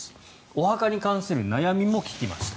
お墓に関する悩みも聞きました。